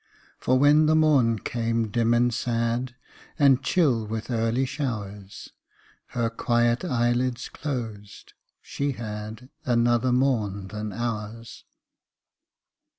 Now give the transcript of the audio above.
For when the morn came dim and sad, And chill with early showers, Her quiet eyelids closed she had Another morn than ours.